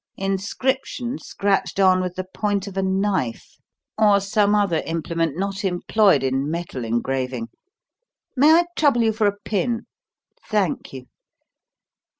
Inscription scratched on with the point of a knife, or some other implement not employed in metal engraving. May I trouble you for a pin? Thank you.